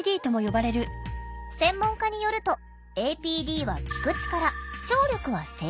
専門家によると「ＡＰＤ」は聞く力・聴力は正常。